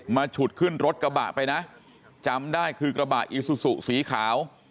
ฉุดขึ้นรถกระบะไปนะจำได้คือกระบะอีซูซูสีขาว